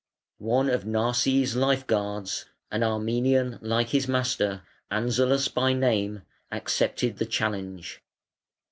One of Narses' lifeguards, an Armenian' like his master, Anzalas by name, accepted the challenge.